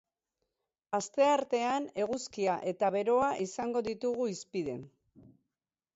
Asteartean eguzkia eta beroa izango ditugu hizpide.